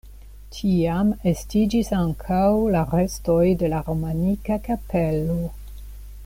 Tiam estiĝis ankaŭ la restoj de la romanika kapelo.